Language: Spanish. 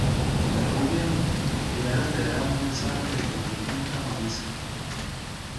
¿ y la rubia? primero te da un mensaje de tu difunta Marisa